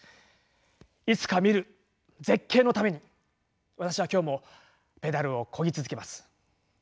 いつか見る絶景のために私は今日もペダルをこぎ続けます。